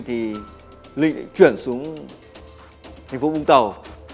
thì linh chuyển xuống thành phố vũng tàu